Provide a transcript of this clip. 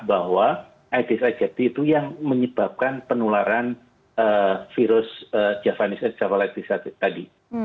bahwa aedes ajecti itu yang menyebabkan penularan virus japanese encephalitis tadi